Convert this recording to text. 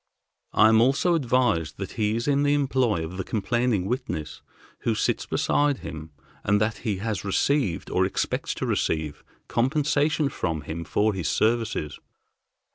I am also advised that he is in the employ of the complaining witness who sits beside him, and that he has received, or expects to receive, compensation from him for his services.